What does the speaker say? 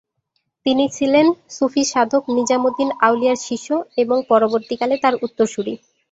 তিনি ছিলেন সুফি সাধক নিজামুদ্দিন আউলিয়ার শিষ্য, এবং পরবর্তীকালে তার উত্তরসূরি।